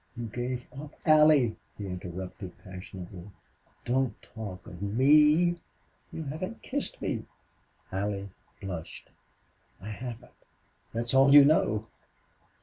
"You gave up " "Allie," he interrupted, passionately, "don't talk of ME!... You haven't kissed me!" Allie blushed. "I haven't?... That's all you know!"